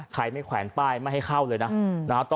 ใครไม่แขวนเปล่าให้เข้าเลยนะ